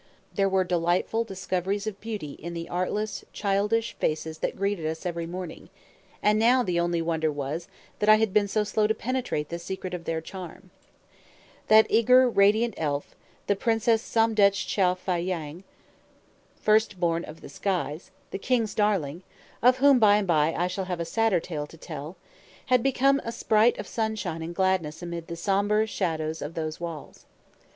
There were delightful discoveries of beauty in the artless, childish faces that greeted us every morning; and now the only wonder was that I had been so slow to penetrate the secret of their charm. That eager, radiant elf, the Princess Somdetch Chow Fâ ying, [Footnote: "First Born of the Skies."] the king's darling (of whom, by and by, I shall have a sadder tale to tell), had become a sprite of sunshine and gladness amid the sombre shadows of those walls.